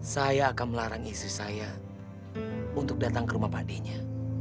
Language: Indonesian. saya akan melarang istri saya untuk datang ke rumah padinya